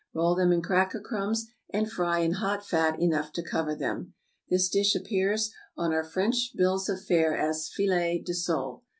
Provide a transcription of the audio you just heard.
Roll them in cracker crumbs, and fry in hot fat enough to cover them. This dish appears on our French bills of fare as filet de sole.